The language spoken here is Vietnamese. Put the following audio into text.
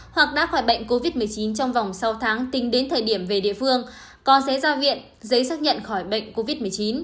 hoặc đã khỏi bệnh covid một mươi chín trong vòng sáu tháng tính đến thời điểm về địa phương có giấy ra viện giấy xác nhận khỏi bệnh covid một mươi chín